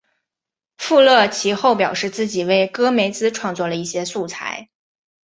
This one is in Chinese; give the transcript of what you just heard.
富勒其后表示自己为戈梅兹创作了一些素材。